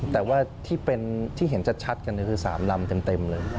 แต่ว่าที่เห็นชัดกันคือ๓ลำเต็มเลย